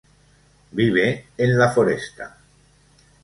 Vive en la foresta.